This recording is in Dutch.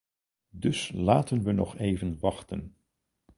Dus laten we nog even wachten.